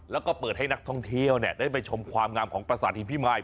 แล้วก็เปิดให้นักท่องเที่ยวได้ไปชมความงามของประสาทหินพิมาย